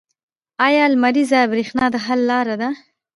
آیا لمریزه بریښنا د حل لاره ده؟